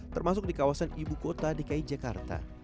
termasuk di kawasan ibu kota dki jakarta